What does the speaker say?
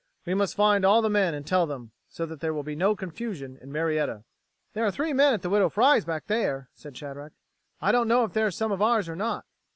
"We must find all the men and tell them, so that there will be no confusion in Marietta." "There are three men at the Widow Fry's back there," said Shadrack. "I don't know if they're some of ours or not."